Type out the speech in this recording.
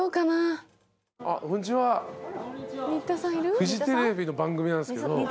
フジテレビの番組なんですけど。